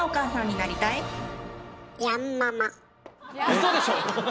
⁉うそでしょ